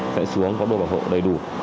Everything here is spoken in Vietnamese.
sẽ xuống có đôi bảo hộ đầy đủ